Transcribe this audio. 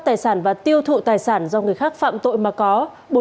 tài sản và tiêu thụ tài sản do người khác phạm tội mà có